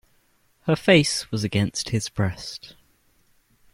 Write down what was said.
Her face was against his breast.